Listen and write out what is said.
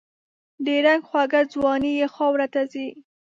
د رنګ خوږه ځواني یې خاوروته ځي